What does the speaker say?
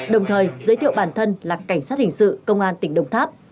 đồng thời giới thiệu bản thân là cảnh sát hình sự công an tỉnh đồng tháp